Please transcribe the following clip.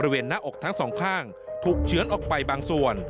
หน้าอกทั้งสองข้างถูกเฉือนออกไปบางส่วน